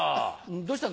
どうしたの？